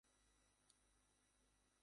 মেয়ার,- নামতে হবে।